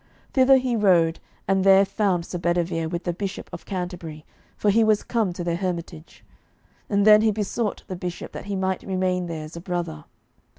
Thither he rode, and there found Sir Bedivere with the Bishop of Canterbury, for he was come to their hermitage. And then he besought the Bishop that he might remain there as a brother.